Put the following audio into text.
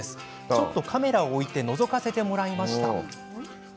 ちょっとカメラを置いてのぞかせてもらいました。